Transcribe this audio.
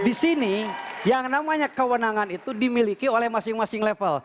di sini yang namanya kewenangan itu dimiliki oleh masing masing level